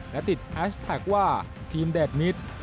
และติดแฮชแท็กว่าทีมแดดมิตร